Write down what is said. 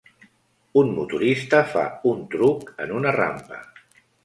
Un motorista fa un truc en una rampa.